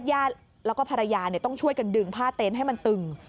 ญาติแล้วก็ภรรยาต้องช่วยกันดึงผ้าเต็นต์ให้มันตึง